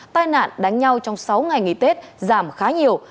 tai nạn đánh nhau trong sáu ngày nghỉ tết giảm khá nhiều